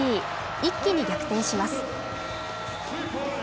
一気に逆転します。